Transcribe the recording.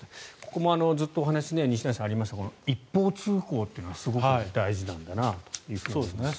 ここもずっとお話ありました一方通行というのがすごく大事なんだなということですね。